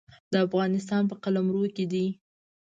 د افغانستان په قلمرو کې دی.